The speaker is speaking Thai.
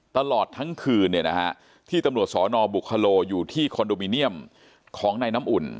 ตลอดทั้งคืนที่ตำรวจสนบุคโลอยู่ที่คอนโดมิเนียมของนายน้ำอุ่น